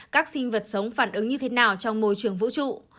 các sinh vật sống phản ứng như thế nào trong môi trường vũ trụ